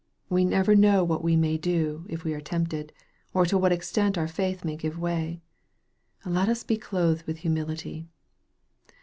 We never know what we may do, if we are tempted, or to what extent our faith may give way. Let us be clothed with hu mility.